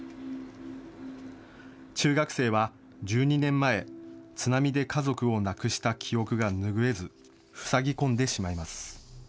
中学生は１２年前、津波で家族を亡くした記憶が拭えず、ふさぎ込んでしまいます。